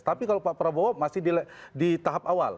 tapi kalau pak prabowo masih di tahap awal